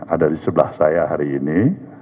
ada di sebelah saya hari ini